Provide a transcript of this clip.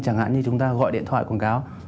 chẳng hạn như chúng ta gọi điện thoại quảng cáo